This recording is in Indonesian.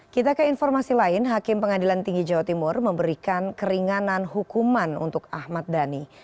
kita ke informasi lain hakim pengadilan tinggi jawa timur memberikan keringanan hukuman untuk ahmad dhani